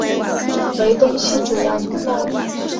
为东西主要通道。